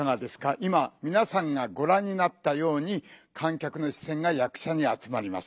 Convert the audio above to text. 今みなさんがごらんになったようにかんきゃくの視線が役者にあつまります。